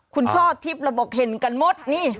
คุณช่อทิพย์เราบอกเห็นกันหมดนี่